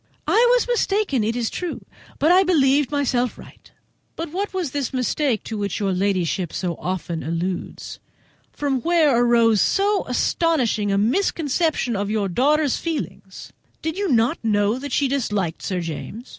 I was mistaken, it is true, but I believed myself right." "But what was this mistake to which your ladyship so often alludes? from whence arose so astonishing a misconception of your daughter's feelings? Did you not know that she disliked Sir James?"